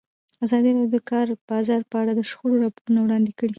ازادي راډیو د د کار بازار په اړه د شخړو راپورونه وړاندې کړي.